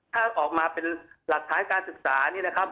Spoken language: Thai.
ถ้าออกมาเป็นหลักฐานการศึกษานี่นะครับ